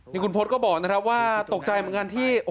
นี่คุณพศก็บอกนะครับว่าตกใจเหมือนกันที่